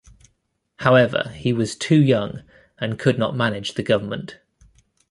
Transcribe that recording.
However, he was too young and could not manage the government.